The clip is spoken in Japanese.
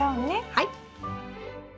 はい。